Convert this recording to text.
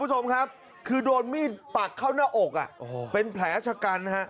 พี่ผู้ของคุณผู้ชมครับคือโดนมีดปักห้าวหน้าอกเป็นแขลชะกัน